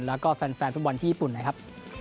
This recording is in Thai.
แล้วก็แฟนวิบัติภาพในญี่ปุ่นนะครับ